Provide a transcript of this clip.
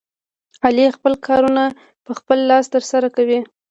علي خپل کارونه په خپل لاس ترسره کوي.